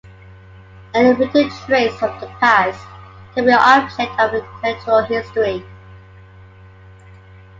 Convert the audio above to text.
Any written trace from the past can be the object of intellectual history.